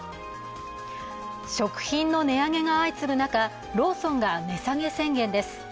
食品の値上げが相次ぐ中ローソンが値下げ宣言です。